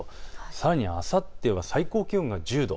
さらにあさっては最高気温が１０度。